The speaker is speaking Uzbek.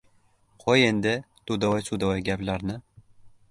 Qo‘y endi, tudovoy-sudovoy gaplarni.